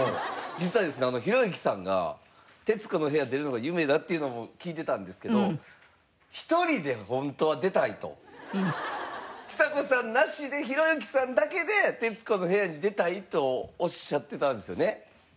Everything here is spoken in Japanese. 実はですね弘之さんが『徹子の部屋』に出るのが夢だっていうのも聞いてたんですけどちさ子さんなしで弘之さんだけで『徹子の部屋』に出たいとおっしゃってたんですよね。